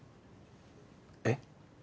えっ？